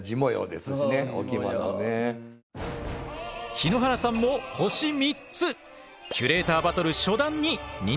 日野原さんも星３つ！